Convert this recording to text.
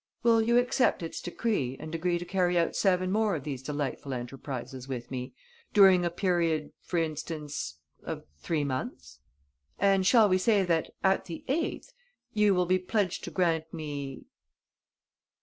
Will you accept its decree and agree to carry out seven more of these delightful enterprises with me, during a period, for instance, of three months? And shall we say that, at the eighth, you will be pledged to grant me...."